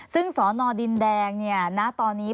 ซึ่งสนดินแดงณตอนนี้